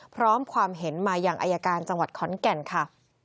พร้อมความเห็นมาอย่างอายการจังหวัดขอนแก่นค่ะ